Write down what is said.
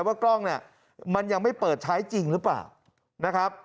ว่ากล้องเนี่ยมันยังไม่เปิดใช้จริงหรือเปล่านะครับ